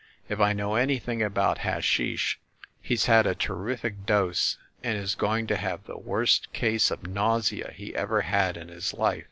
If I know anything about hashish, he's had a terrific dose, and is going to have the worst case of nausea he ever had in his life.